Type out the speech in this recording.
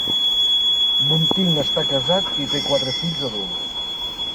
Bunting està casat i té quatre fills adults.